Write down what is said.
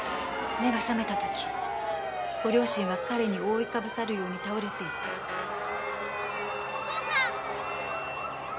目が覚めた時ご両親は彼に覆いかぶさるように倒れていてお父さん！